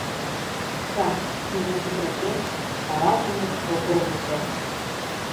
— Ша! — южым чытырыктен, карал шындыш Полковников.